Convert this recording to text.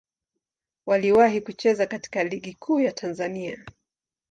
Waliwahi kucheza katika Ligi Kuu ya Tanzania.